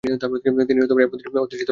তিনি এ পদে অধিষ্ঠিত ছিলেন।